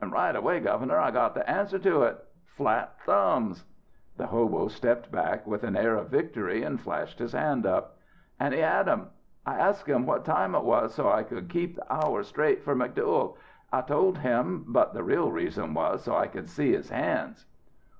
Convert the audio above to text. "'And right away, Governor, I got the answer to it flat thumbs!' "The hobo stepped back with an air of victory and flashed his hand up. "'And he had 'em! I asked him what time it was so I could keep the hour straight for McDuyal, I told him, but the real reason was so I could see his hands.'"